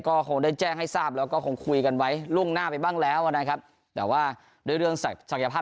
ก็โดยแจ้งให้ทราบแล้วก็คุยกันไว้ร่วงหน้าไปบ้างแล้วว่านะครับแต่ว่าใดเรื่องสักนาภาพ